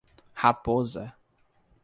Raposa